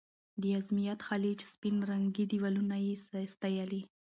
د ازمېت خلیج سپین رنګي دیوالونه یې ستایلي.